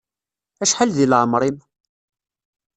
Acḥal di leɛmeṛ-im?